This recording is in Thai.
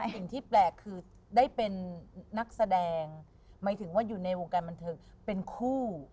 สิ่งที่แปลกคือได้เป็นนักแสดงหมายถึงว่าอยู่ในวงการบันเทิงเป็นคู่